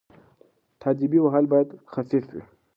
تاديبي وهل باید خفيف وي.